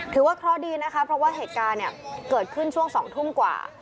ถือว่าเคราะห์ดีนะคะเพราะว่าเหตุการณ์เกิดขึ้นช่วง๒ทุ่มกว่า